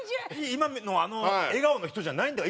今のあの笑顔の人じゃないんだよ。